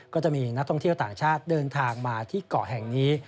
ก็จะมีนักท่องเที่ยวต่างชาติเดินทางมาที่เกาะแห่งนี้